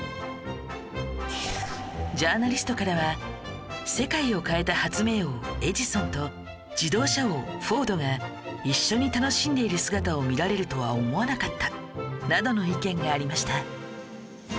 ジャーナリストからは「世界を変えた発明王エジソンと自動車王フォードが一緒に楽しんでいる姿を見られるとは思わなかった」などの意見がありました